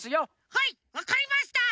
はいわかりました！